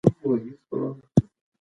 که موږ هڅه وکړو حقایق به څرګند شي.